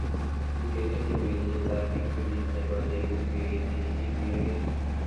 kiurereni urerietab kiptulit nebo eut werik che kiituyiogei